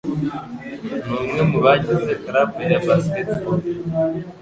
Ni umwe mu bagize club ya basketball.